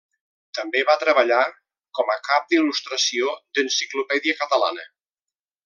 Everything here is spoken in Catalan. També va treballar com a cap d'il·lustració d'Enciclopèdia Catalana.